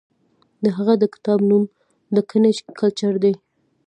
د هغه د کتاب نوم دکني کلچر دی.